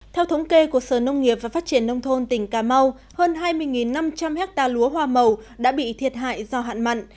theo thống kê của sở nông nghiệp và phát triển nông thôn tỉnh cà mau hơn hai mươi năm trăm linh hectare lúa hoa màu đã bị thiệt hại do hạn mặn